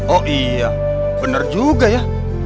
oh iya benar juga ya